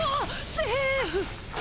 セーフ！